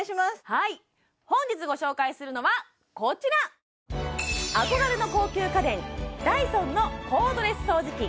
はい本日ご紹介するのはこちら憧れの高級家電ダイソンのコードレス掃除機